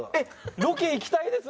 ロケ行きたいです